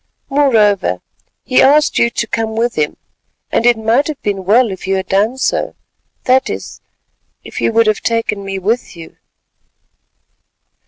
"Moreover he asked you to come with him, and it might have been well if you had done so, that is, if you would have taken me with you!"